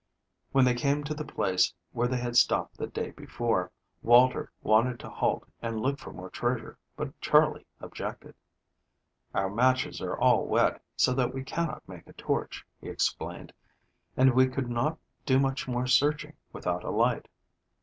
When they came to the place where they had stopped the day before Walter wanted to halt and look for more treasure, but Charley objected. "Our matches are all wet, so that we cannot make a torch," he explained, "and we could not do much searching without a light.